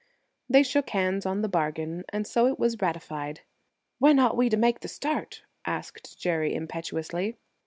They shook hands on the bargain, and so it was ratified. "When ought we make the start?" asked Jerry impetuously.